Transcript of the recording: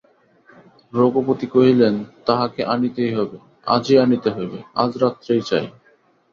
রঘুপতি কহিলেন, তাহাকে আনিতেই হইবে–আজই আনিতে হইবে–আজ রাত্রেই চাই।